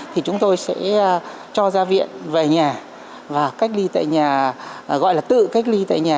thì chúng tôi sẽ cho ra viện về nhà và cách ly tại nhà gọi là tự cách ly tại nhà